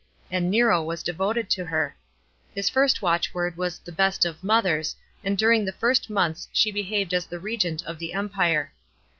And Nero was devoted to her. His first watchword was "the best of mothers," and during the first months she behaved as the regent of the Empire.